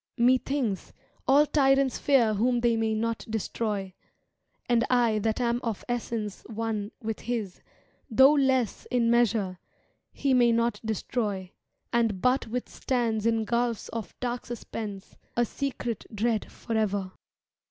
Methinks All tyrants fear whom they may not destroy; And I that am of essence one with His Though less in measure. He may not destroy, And but withstands in gulfs of dark suspense, A secret dread forever.